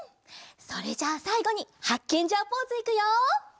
それじゃあさいごにハッケンジャーポーズいくよ！